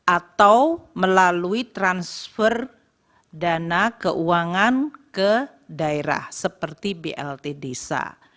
atau melalui transfer dana keuangan ke daerah seperti blt desa